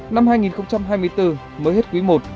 năm hai nghìn hai mươi bốn mới hết quý i